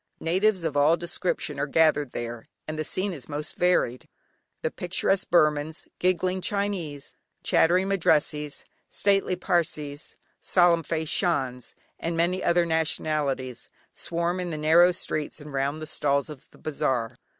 Natives of all descriptions are gathered there, and the scene is most varied. The picturesque Burmans, giggling Chinese, chattering Madrassees, stately Parsees, solemn faced Shans, and many other nationalities, swarm in the narrow streets and round the stalls of the bazaar.